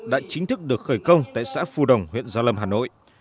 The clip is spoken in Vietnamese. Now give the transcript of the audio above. đã chính thức được khởi công tại xã phu đồng huyện gia lâm hà nội